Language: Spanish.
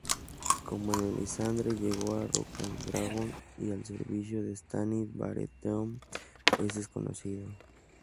Cómo Melisandre llegó a Rocadragón y al servicio de Stannis Baratheon es desconocido.